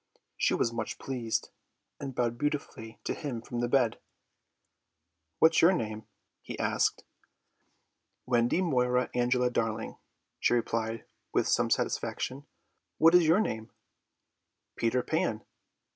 She was much pleased, and bowed beautifully to him from the bed. "What's your name?" he asked. "Wendy Moira Angela Darling," she replied with some satisfaction. "What is your name?" "Peter Pan."